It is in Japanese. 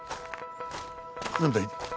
何だい？